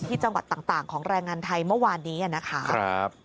จังหวัดต่างของแรงงานไทยเมื่อวานนี้นะคะ